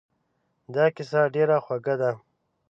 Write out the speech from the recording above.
دا کیسه ډېره خوږه ده.